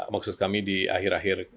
maksud kami di akhir akhir